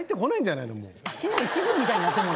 足の一部みたいになってるもんね。